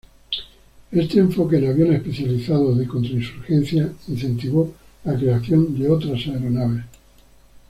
Este enfoque en aviones especializados de contrainsurgencia incentivo la creación de otras aeronaves.